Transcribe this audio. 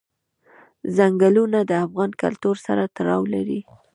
ځنګلونه د افغان کلتور سره تړاو لري.